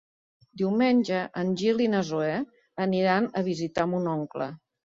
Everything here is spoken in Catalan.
Diumenge en Gil i na Zoè aniran a visitar mon oncle.